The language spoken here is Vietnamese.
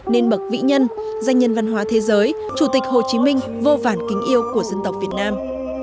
nên bậc vĩ nhân danh nhân văn hóa thế giới chủ tịch hồ chí minh vô vản kính yêu của dân tộc việt nam